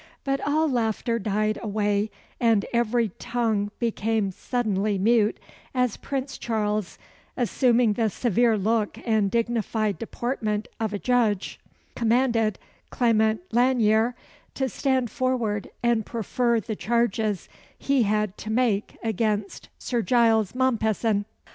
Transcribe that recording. But all laughter died away, and every tongue became suddenly mute, as Prince Charles, assuming the severe look and dignified deportment of a judge, commanded Clement Lanyere to stand forward, and prefer the charges he had to make against Sir Giles Mompesson.